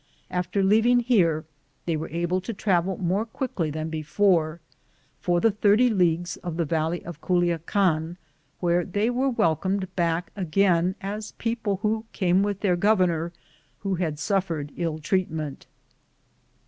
After leaving here they were able to travel more quickly than before, for the 30 leagues of the valley of Culiacan, where they were welcomed back again as people who came with their gover nor, who had suffered ill treatment.